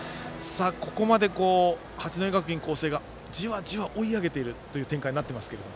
ここまで八戸学院光星がじわじわ追い上げているという展開になっています。